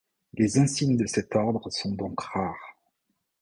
Les insignes de cet ordre sont donc rares.